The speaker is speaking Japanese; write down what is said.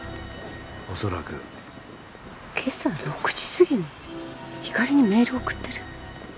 おそらく。今朝６時過ぎにひかりにメールを送ってる。